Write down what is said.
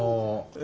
え？